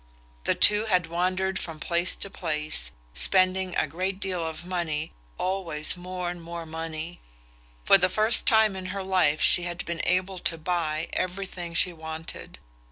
The two had wandered from place to place, spending a great deal of money, always more and more money; for the first time in her life she had been able to buy everything she wanted.